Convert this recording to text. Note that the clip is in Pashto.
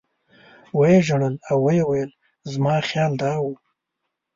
و یې ژړل او ویې ویل زما خیال دا و.